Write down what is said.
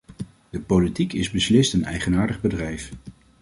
De politiek is beslist een eigenaardig bedrijf.